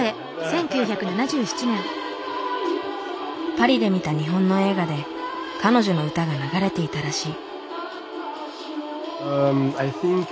パリで見た日本の映画で彼女の歌が流れていたらしい。